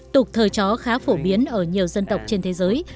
tục thời chó khá phổ biến ở nhiều dân tộc trên thế giới